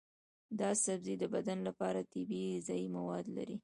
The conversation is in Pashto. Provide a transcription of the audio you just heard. دا سبزی د بدن لپاره طبیعي غذایي مواد لري.